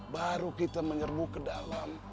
baru kita menyerbu ke dalam